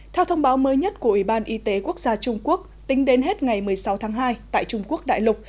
theo thông báo mới nhất của ủy ban y tế quốc gia trung quốc tính đến hết ngày một mươi sáu tháng hai tại trung quốc đại lục